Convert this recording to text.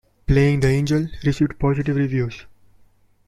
"Playing the Angel" received positive reviews.